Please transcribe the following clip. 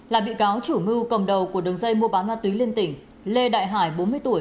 là bị cáo chủ mưu cầm đầu của đường dây mua bán ma túy liên tỉnh lê đại hải bốn mươi tuổi